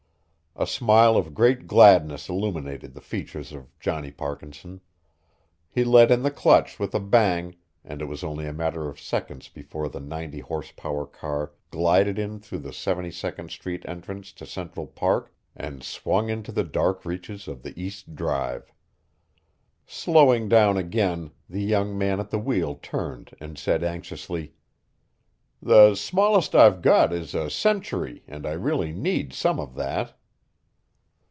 A smile of great gladness illuminated the features of Johnny Parkinson. He let in the clutch with a bang and it was only a matter of seconds before the ninety horsepower car glided in through the Seventy second street entrance to Central Park and swung into the dark reaches of the East Drive. Slowing down again the young man at the wheel turned and said anxiously: "The smallest I've got is a century and I really need some of that."